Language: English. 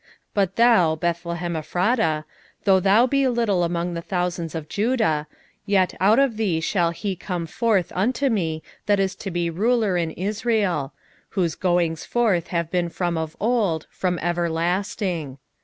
5:2 But thou, Bethlehem Ephratah, though thou be little among the thousands of Judah, yet out of thee shall he come forth unto me that is to be ruler in Israel; whose goings forth have been from of old, from everlasting.